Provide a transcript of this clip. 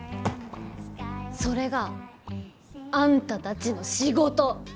それがあんたたちの仕事！